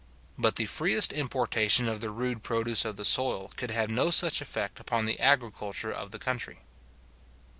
But the freest importation of the rude produce of the soil could have no such effect upon the agriculture of the country.